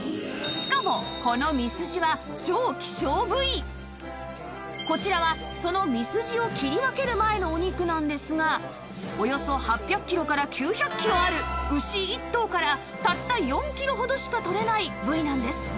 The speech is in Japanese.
しかもこのこちらはそのミスジを切り分ける前のお肉なんですがおよそ８００キロから９００キロある牛１頭からたった４キロほどしか取れない部位なんです